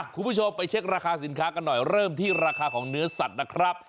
คุณผู้ชมไปเช็คราคาสินค้ากันหน่อยเริ่มที่ราคาของเนื้อสัตว์นะครับ